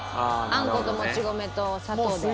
あんこともち米と砂糖で。